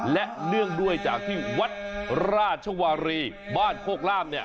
และเนื่องด้วยจากที่วัดราชวรีบ้านโภคล่าม